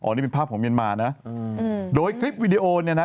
หรือเป็นภาพของมิเยนมานะโอ้อยคลิปวิดีโอเนี้ยนะ